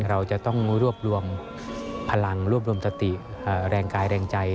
เราจะต้องรวบรวมพลังรวบรวมสติแรงกายแรงใจ